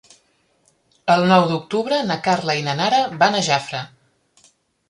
El nou d'octubre na Carla i na Nara van a Jafre.